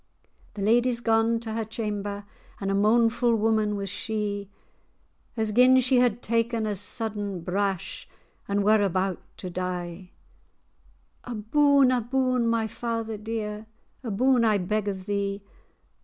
The lady's gane to her chamber, And a moanfu' woman was she; As gin[#] she had taken a sudden brash[#] And were about to die. [#] if [#] illness. "A boon, a boon, my father dear, A boon I beg of thee!"